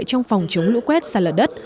trong phòng chống lũ quét sản lửa đất